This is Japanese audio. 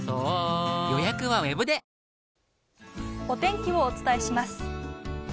お天気をお伝えします。